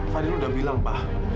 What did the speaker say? fadil udah bilang pak